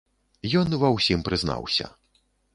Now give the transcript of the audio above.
Ён ва ўсім прызнаўся.